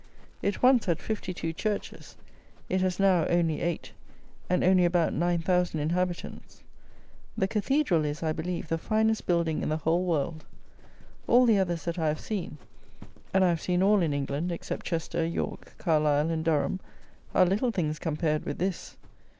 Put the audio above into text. It once had fifty two churches; it has now only eight, and only about 9,000 inhabitants! The cathedral is, I believe, the finest building in the whole world. All the others that I have seen (and I have seen all in England except Chester, York, Carlisle, and Durham) are little things compared with this.